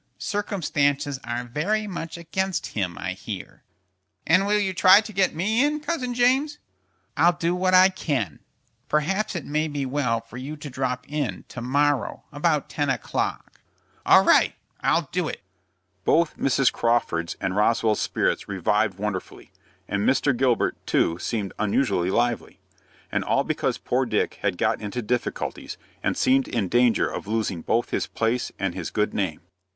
Circumstances are very much against him, I hear." "And will you try to get me in, Cousin James?" "I'll do what I can. Perhaps it may be well for you to drop in to morrow about ten o'clock." "All right, I'll do it." Both Mrs. Crawford's and Roswell's spirits revived wonderfully, and Mr. Gilbert, too, seemed unusually lively. And all because poor Dick had got into difficulties, and seemed in danger of losing both his place and his good name.